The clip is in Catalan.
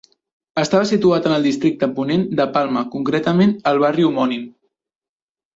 Estava situat en el districte Ponent de Palma, concretament al barri homònim.